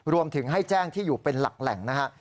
รวมถึงให้แจ้งที่อยู่เป็นหลักแหล่งนะฮะ